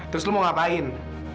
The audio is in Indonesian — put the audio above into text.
terus lu mau ngapain